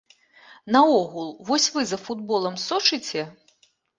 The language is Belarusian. Наогул, вось вы за футболам сочыце?